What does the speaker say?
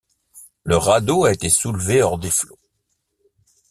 Le radeau a été soulevé hors des flots.